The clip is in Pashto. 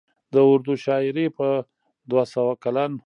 د اردو شاعرۍ په دوه سوه کلن